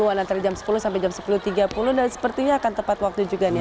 antara jam sepuluh sampai jam sepuluh tiga puluh dan sepertinya akan tepat waktu juga nih